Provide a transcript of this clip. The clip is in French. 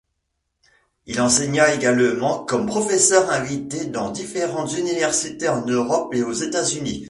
Il enseigna également comme professeur invité dans différentes universités en Europe et aux États-Unis.